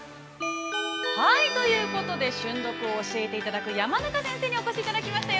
◆ということで、瞬読を教えていただく山中先生にお越しいただきました。